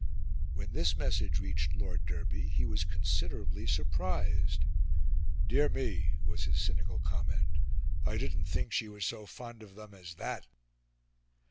When this message reached Lord Derby he was considerably surprised. "Dear me!" was his cynical comment. "I didn't think she was so fond of them as THAT."